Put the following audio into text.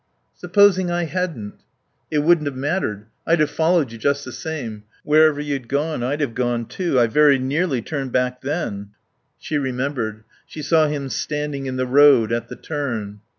"Supposing I hadn't?" "It wouldn't have mattered. I'd have followed you just the same. Wherever you'd gone I'd have gone, too. I very nearly turned back then." She remembered. She saw him standing in the road at the turn.